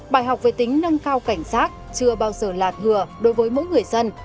bài học về tính nâng cao cảnh sát chưa bao giờ lạt hừa đối với mỗi người dân